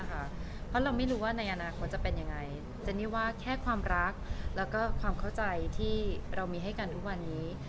เพราะเราไม่รู้ว่าในอนาคตจะเป็นยังไงเจนี่ว่าแค่ความรักแล้วก็ความเข้าใจที่เรามีให้กันทุกวันนี้